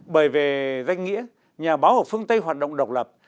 bởi về danh nghĩa nhà báo ở phương tây hoạt động độc lập